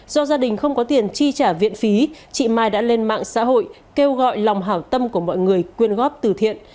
do gia đình không có tiền chi trả viện phí chị mai đã lên mạng xã hội kêu gọi lòng hảo tâm của mọi người quyên góp từ thiện